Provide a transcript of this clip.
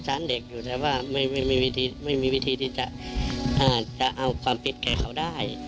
ใช่ผมก็เลยสงสารเด็กอยู่แต่ว่าไม่มีวิธีที่จะเอาความปิดแค่เขาได้